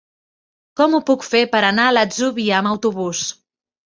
Com ho puc fer per anar a l'Atzúbia amb autobús?